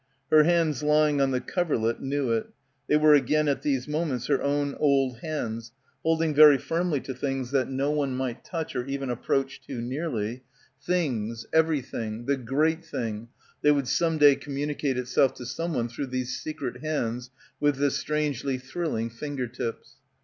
Her hands lying on the coverlet knew it. They were again at these moments her own old hands, holding very — 177 — PILGRIMAGE firmly to things that no one might touch or even approach too nearly, things, everything, the great thing that would some day communicate itself to someone through these secret hands with the strangely thrilling finger tips.